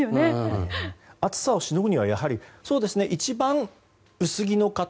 暑さをしのぐには一番薄着の方